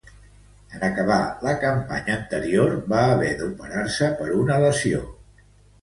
En acabar la campanya anterior va haver d'operar-se per una lesió.